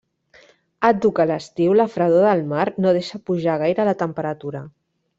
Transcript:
Àdhuc a l'estiu la fredor del mar no deixa pujar gaire la temperatura.